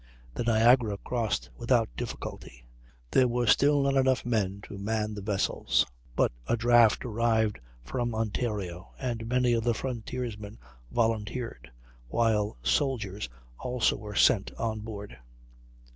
The Niagara crossed without difficulty. There were still not enough men to man the vessels, but a draft arrived from Ontario, and many of the frontiersmen volunteered, while soldiers also were sent on board.